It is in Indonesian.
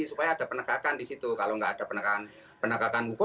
supaya ada penegakan di situ kalau nggak ada penegakan hukum